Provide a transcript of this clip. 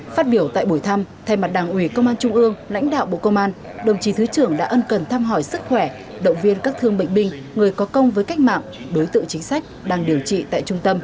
phát biểu tại buổi thăm thay mặt đảng ủy công an trung ương lãnh đạo bộ công an đồng chí thứ trưởng đã ân cần thăm hỏi sức khỏe động viên các thương bệnh binh người có công với cách mạng đối tượng chính sách đang điều trị tại trung tâm